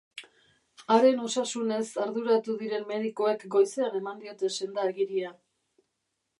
Haren osasunez arduratu diren medikuek goizean eman diote senda-agiria.